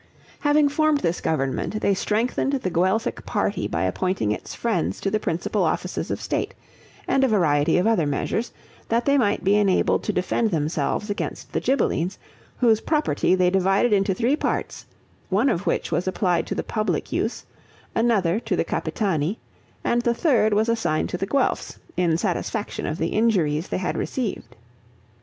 Having formed this government, they strengthened the Guelphic party by appointing its friends to the principal offices of state, and a variety of other measures, that they might be enabled to defend themselves against the Ghibellines, whose property they divided into three parts, one of which was applied to the public use, another to the Capitani, and the third was assigned to the Guelphs, in satisfaction of the injuries they had received.